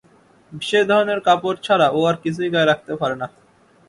বিশেষ ধরনের কাপড় ছাড়া ও আর কিছুই গায়ে রাখতে পারে না।